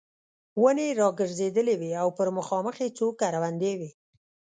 ونې را ګرځېدلې وې او پر مخامخ یې څو کروندې وې.